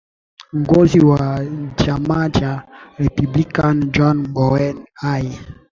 ngozi wa chama cha republican john bowen hay